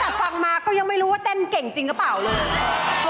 แต่ฟังมาก็ยังไม่รู้ว่าเต้นเก่งจริงหรือเปล่าเลย